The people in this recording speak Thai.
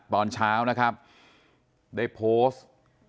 ตอนเช้านะครับได้โพสต์